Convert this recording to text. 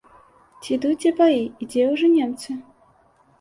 Ці ідуць дзе баі і дзе ўжо немцы?